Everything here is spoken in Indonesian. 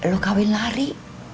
luka bin lari